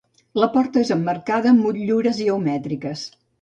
La porta és emmarcada amb motllures geomètriques.